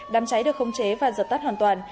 đám cháy được khống chế và dập tắt hoàn toàn